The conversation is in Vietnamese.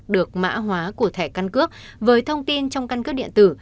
được mã hóa của thẻ căn cước với thông tin trong căn cước điện tử